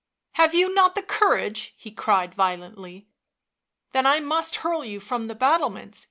"Have you not the courage?" he cried violently. " Then I must hurl you from the battlements